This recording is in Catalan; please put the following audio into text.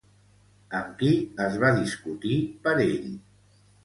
Amb qui es va discutir per ell?